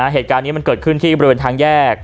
เหตุการณ์นี้มันเกิดขึ้นที่บริเวณทางแยก